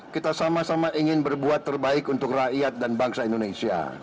kita sama sama ingin berbuat terbaik untuk rakyat dan bangsa indonesia